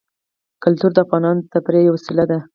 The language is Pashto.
کلتور د افغانانو د تفریح یوه وسیله ده.